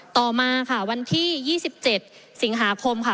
ต่อมาค่ะวันที่๒๗สิงหาคมค่ะ